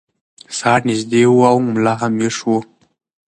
سهار نږدې و او ملا هم ویښ و.